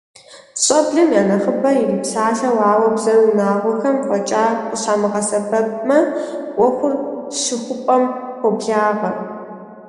ЩӀэблэм я нэхъыбэр ирипсалъэу, ауэ бзэр унагъуэхэм фӀэкӀа къыщамыгъэсэбэпмэ, Ӏуэхур щыхупӏэм хуоблагъэ.